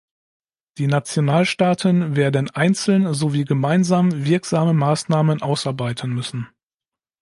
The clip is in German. Die Nationalstaaten werden einzeln sowie gemeinsam wirksame Maßnahmen ausarbeiten müssen.